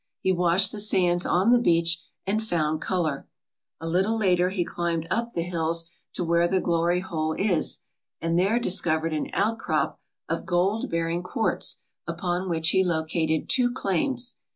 He washed the sands on the beach and found colour. A little later he climbed up the hills to where the Glory Hole is and there discovered an outcrop of gold Si ALASKA OUR NORTHERN WONDERLAND bearing quartz upon which he located two claims.